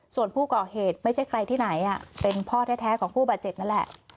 ส่วนผู้ก่อเหตุไม่ใช่ใครที่ไหนเป็นพ่อแท้ของผู้บาดเจ็บนั่นแหละ